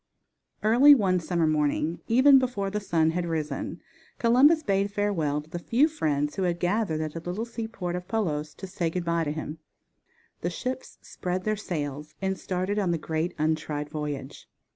Early one summer morning, even before the sun had risen, Columbus bade farewell to the few friends who had gathered at the little seaport of Palos to say good bye to him. The ships spread their sails and started on the great untried voyage.